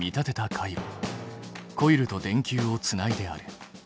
コイルと電球をつないである。